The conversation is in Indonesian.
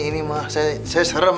ini mah saya serem